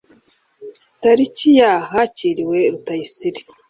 tariki ya hakiriwe rutayisire